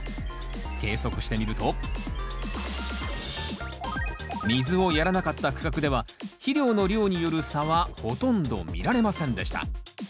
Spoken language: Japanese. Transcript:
計測してみると水をやらなかった区画では肥料の量による差はほとんど見られませんでした。